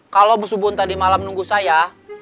kalau bos bubun tadi malam nunggu saya